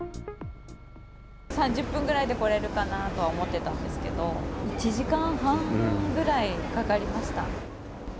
３０分ぐらいで来れるかなとは思ってたんですけど、１時間半ぐらいかかりました。